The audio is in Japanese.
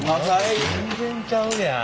全然ちゃうやん。